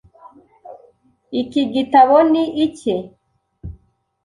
Iki gitabo ni icye .